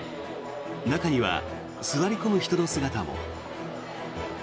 中には、座り込む人の姿も。